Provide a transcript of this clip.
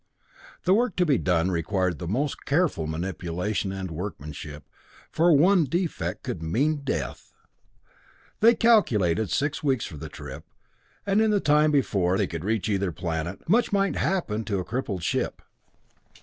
The work to be done required the most careful manipulation and workmanship, for one defect could mean death. They calculated six weeks for the trip, and in the time before they could reach either planet, much might happen to a crippled ship.